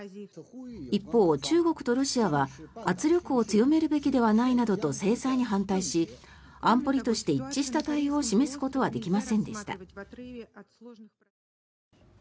一方、中国とロシアは圧力を強めるべきではないなどと制裁に反対し安保理として一致した対応を示すことはできませんでした。